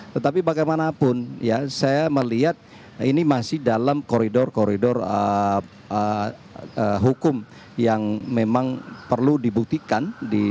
tetapi bagaimanapun ya saya melihat ini masih dalam koridor koridor hukum yang memang perlu dibuktikan